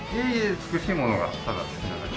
美しいものがただ好きなだけ。